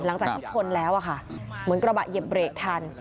หลังจากที่ชนแล้วอะค่ะเหมือนกระบะเหยียบเบรกทัน